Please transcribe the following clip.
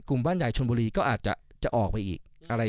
กลุ่มบ้านใหญ่ชนบรีก็อาจจะออกไปอีก